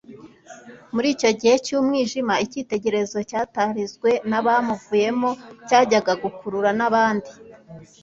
Muri icyo gihe cy'umwijima, icyitegererezo cyatarizwe n'abamuvuyeho, cyajyaga gukurura n'abandi.